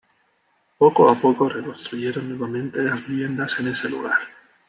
Poco a poco reconstruyeron nuevamente las viviendas en ese lugar.